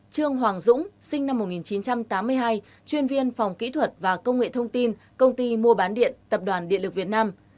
năm trương hoàng dũng sinh năm một nghìn chín trăm tám mươi hai chuyên viên phòng kỹ thuật và công nghệ thông tin công ty mua bán điện tập đoàn điện lực việt nam